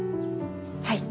はい。